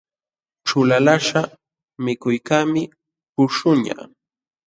Ćhulalaqśhqa mikuykaqmi puśhuqñaq.